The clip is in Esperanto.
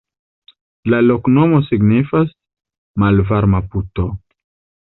La loknomo signifas: malvarma-puto.